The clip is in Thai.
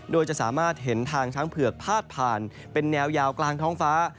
โดยจะสามารถเห็นทางช้างเผือกพาดผ่านเป็นแนวยาวกลางท้องฟ้า